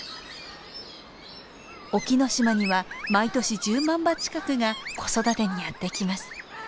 沖ノ島には毎年１０万羽近くが子育てにやって来ます。